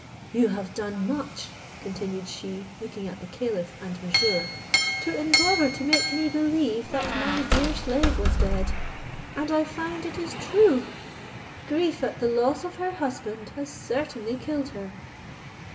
You have done much," continued she, looking at the caliph and Mesrour, "to endeavour to make me believe that my dear slave was dead, and I find it is true: grief at the loss of her husband has certainly killed her."